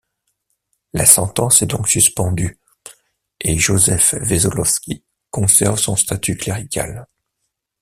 La sentence est donc suspendue, et Józef Wesołowski conserve son statut clérical.